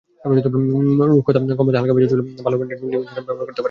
রুক্ষতা কমাতে হালকা ভেজা চুলে ভালো ব্র্যান্ডের লিভ-ইন সিরাম ব্যবহার করতে পারেন।